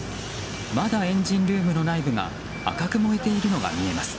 まだエンジンルームの内部が赤く燃えているのが見えます。